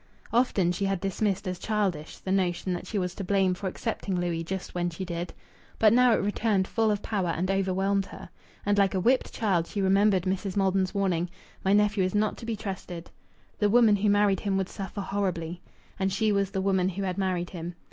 Often she had dismissed as childish the notion that she was to blame for accepting Louis just when she did. But now it returned full of power and overwhelmed her. And like a whipped child she remembered Mrs. Maldon's warning: "My nephew is not to be trusted. The woman who married him would suffer horribly." And she was the woman who had married him.